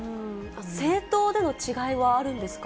政党での違いはあるんですか。